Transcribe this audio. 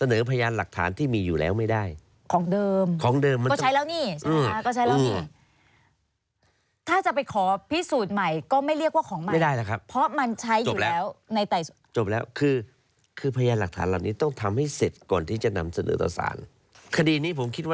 นี่เป็นพยานหลักฐาน